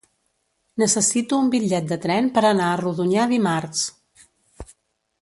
Necessito un bitllet de tren per anar a Rodonyà dimarts.